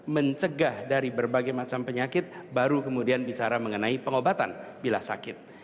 mencegah dari berbagai macam penyakit baru kemudian bicara mengenai pengobatan bila sakit